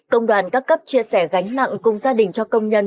công đoàn các cấp chia sẻ gánh nặng cùng gia đình cho công nhân